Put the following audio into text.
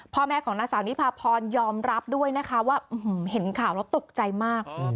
พ่อแม่ของนางสาวนิพาพรยอมรับด้วยนะคะว่าเห็นข่าวแล้วตกใจมาก